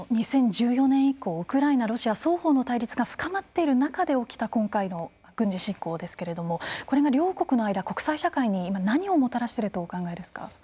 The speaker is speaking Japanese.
２０１４年以降ウクライナロシア双方の対立が深まっている中で起きた今回の軍事侵攻ですけれどもこれが両国の間国際社会に今何をもたらしているとお考えですか。